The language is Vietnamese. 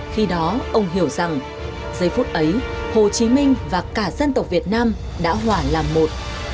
khi đó ông hiểu rằng giây phút ấy hồ chí minh và cả dân tộc việt nam đã hỏa làm một